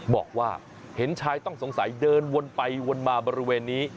บอกว่าเห็นชายต้องสงสัยเดินวนไปวนมาบริเวณนี้